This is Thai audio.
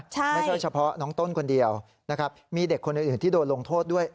ไม่เฉพาะน้องต้นคนเดียวมีเด็กคนอื่นที่โดดลงโทษด้วย